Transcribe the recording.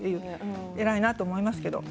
偉いなと思います。